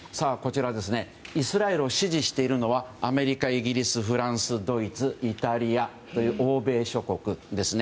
イスラエルを支持しているのはアメリカ、イギリス、フランスドイツ、イタリアという欧米諸国ですね。